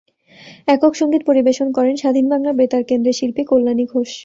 একক সংগীত পরিবেশন করেন স্বাধীন বাংলা বেতার কেন্দ্রের শিল্পী কল্যাণী ঘোষ।